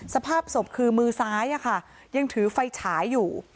สภาพศพคือมือซ้ายยังถือไฟฉายอยู่